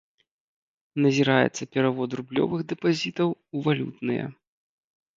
Назіраецца перавод рублёвых дэпазітаў у валютныя.